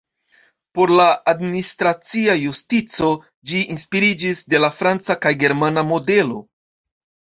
Por la administracia justico ĝi inspiriĝis de la franca kaj germana modeloj.